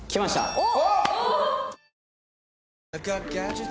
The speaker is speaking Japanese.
おっ！